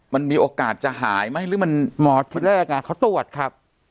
มันมีโอกาสจะหายไหมหรือมันหมอที่แรกเขาตรวจครับ